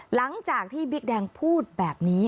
หลังจากที่บิ๊กแดงพูดแบบนี้